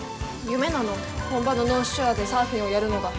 夢なの本場のノースショアでサーフィンをやるのが。